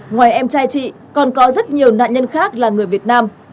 ngoài em trai chị còn có rất nhiều nạn nhân khác là người việt nam